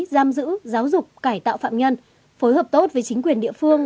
giam giữ giáo dục cải tạo phạm nhân phối hợp tốt với chính quyền địa phương